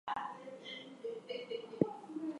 However Sunderland denied that they made a bid for Fuller.